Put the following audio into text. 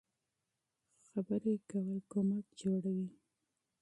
خبرې کول مرسته برابروي.